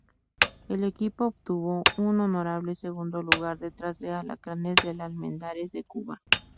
El equipo obtuvo un honorable segundo lugar detrás de Alacranes del Almendares de Cuba.